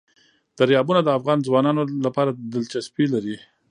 دریابونه د افغان ځوانانو لپاره دلچسپي لري.